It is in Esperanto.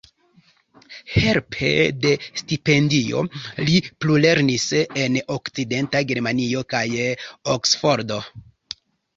Helpe de stipendio li plulernis en Okcidenta Germanio kaj Oksfordo.